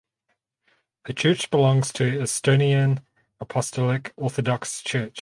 The church belongs to Estonian Apostolic Orthodox Church.